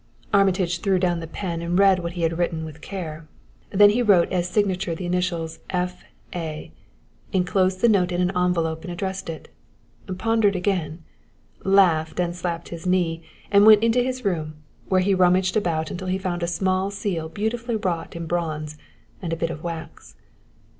Armitage threw down the pen and read what he had written with care. Then he wrote as signature the initials F.A., inclosed the note in an envelope and addressed it, pondered again, laughed and slapped his knee and went into his room, where he rummaged about until he found a small seal beautifully wrought in bronze and a bit of wax.